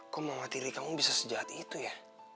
kok mama tiri kamu bisa sejahat itu ya